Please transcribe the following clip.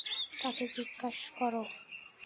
তাকে জিজ্ঞেস করো।